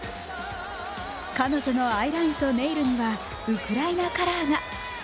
彼女のアイラインとネイルにはウクラナイナのカラーが。